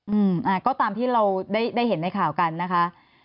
อืมอ่าก็ตามที่เราได้ได้เห็นในข่าวกันนะคะ